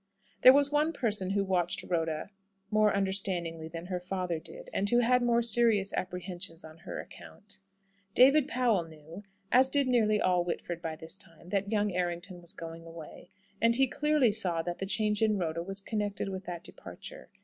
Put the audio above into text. There was one person who watched Rhoda more understandingly than her father did, and who had more serious apprehensions on her account. David Powell knew, as did nearly all Whitford by this time, that young Errington was going away; and he clearly saw that the change in Rhoda was connected with that departure.